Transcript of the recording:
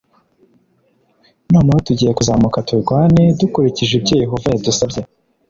noneho tugiye kuzamuka turwane dukurikije ibyo yehova yadusabye